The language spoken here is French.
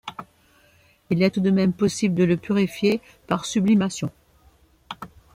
Il est tout de même possible de le purifier par sublimation.